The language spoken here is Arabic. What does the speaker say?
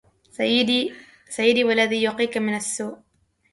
سيدي والذي يقيك ومن السوء